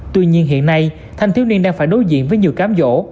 tuy nhiên hiện nay thanh thiếu niên đang phải đối diện với nhiều cám dỗ